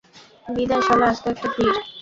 বিদায় শালা আস্ত একটা ফির!